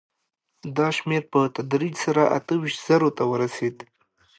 دا شمېر په تدریج سره اته ویشت زرو ته ورسېد